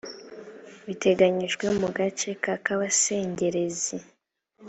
biteganyijwe mu gace ka kabasengerezi